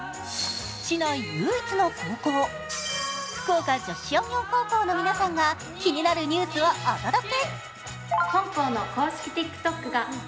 市内唯一の高校、福岡女子商業高校の皆さんが気になるニュースをお届け。